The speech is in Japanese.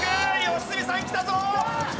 良純さんきたぞ！